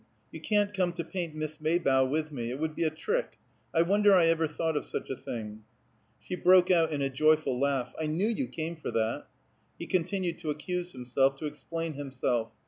You can't come to paint Miss Maybough with me. It would be a trick. I wonder I ever thought of such a thing." She broke out in a joyful laugh. "I knew you came for that." He continued to accuse himself, to explain himself.